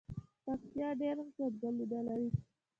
پکتیا ډیر ځنګلونه لري